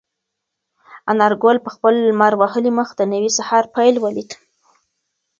انارګل په خپل لمر وهلي مخ د نوي سهار پیل ولید.